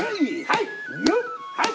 はい！